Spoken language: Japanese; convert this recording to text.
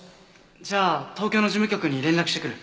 じゃあ東京の事務局に連絡してくる。